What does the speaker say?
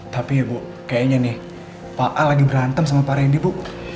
tapi bu kayaknya nih pak a lagi berantem sama pak randy bu